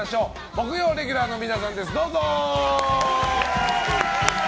木曜レギュラーの皆さんです！